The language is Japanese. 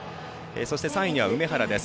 そして３位には梅原です。